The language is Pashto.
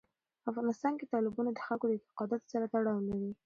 په افغانستان کې تالابونه د خلکو د اعتقاداتو سره تړاو لري.